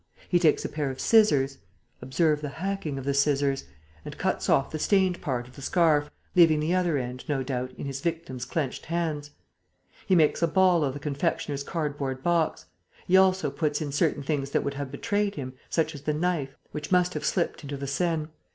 He takes a pair of scissors observe the hacking of the scissors and cuts off the stained part of the scarf, leaving the other end, no doubt, in his victim's clenched hands. He makes a ball of the confectioner's cardboard box. He also puts in certain things that would have betrayed him, such as the knife, which must have slipped into the Seine.